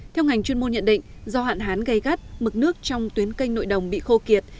theo ngành chuyên môn nhận định do hạn hán gây gắt mực nước trong tuyến kênh nội đồng bị khô kiệt